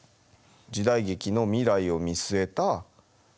時代劇の未来を見据えた回にしたい。